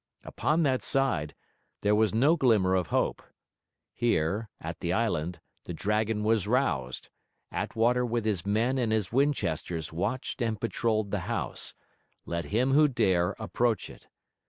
Upon that side, there was no glimmer of hope. Here, at the island, the dragon was roused; Attwater with his men and his Winchesters watched and patrolled the house; let him who dare approach it.